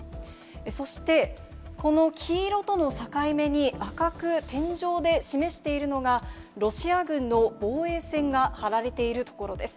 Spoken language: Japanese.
そして、この黄色との境目に赤く点状で示しているのが、ロシア軍の防衛線が張られている所です。